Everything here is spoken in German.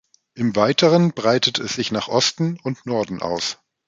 Im Weiteren breitete es sich nach Osten und Norden aus.